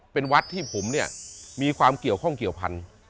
เป็นวัดที่ผมเนี่ยมีความเกี่ยวข้องเกี่ยวพันธุ์